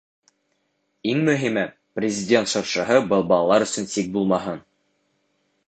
Иң мөһиме — Президент шыршыһы был балалар өсөн сик булмаһын.